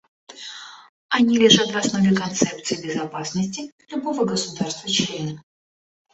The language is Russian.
Они лежат в основе концепций безопасности любого государства-члена.